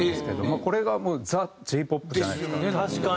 これがもうＴＨＥＪ−ＰＯＰじゃないですか。